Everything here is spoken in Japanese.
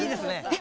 え！